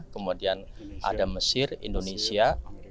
kemudian ada mesir indonesia